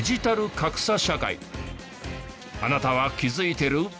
あなたは気づいてる？